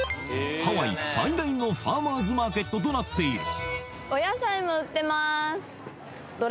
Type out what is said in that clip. ハワイ最大のファーマーズマーケットとなっている